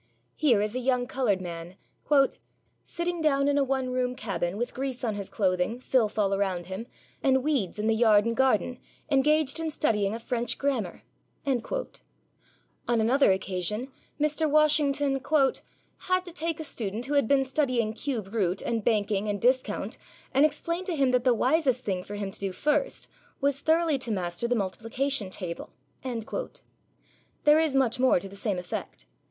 Here is a young coloured man, 'sitting down in a one room cabin, with grease on his clothing, filth all around him, and weeds in the yard and garden, engaged in studying a French grammar!' On another occasion, Mr. Washington 'had to take a student who had been studying cube root and banking and discount and explain to him that the wisest thing for him to do first was thoroughly to master the multiplication table!' There is much more to the same effect.